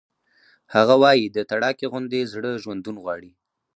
هغه وایی د تڼاکې غوندې زړه ژوندون غواړي